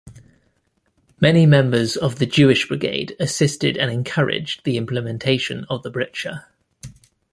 Many members of the Jewish Brigade assisted and encouraged the implementation of the Bricha.